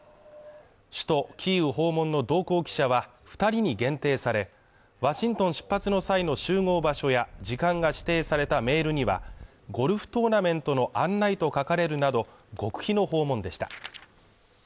首都キーウ訪問の同行記者は２人に限定され、ワシントン出発の際の集合場所や時間が指定されたメールにはゴルフトーナメントの案内と書かれるなど、極秘の訪問でした。